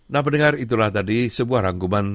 nah pendengar itulah tadi sebuah rangkuman